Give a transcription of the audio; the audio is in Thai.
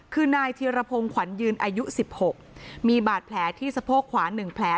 คือนายเทียระพงขวัญยืนอายุสิบหกมีบาดแผลที่สะโพกขวานหนึ่งแผล